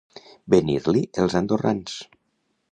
Venir-li els andorrans.